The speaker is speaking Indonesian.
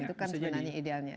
itu kan sebenarnya idealnya